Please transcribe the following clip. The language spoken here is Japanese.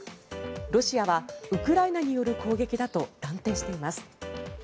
ロシアはウクライナによる攻撃だと断定しています。